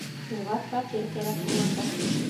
Уға фатир кәрәк буласаҡ.